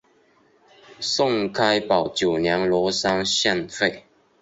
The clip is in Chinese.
宋开宝九年罗山县废。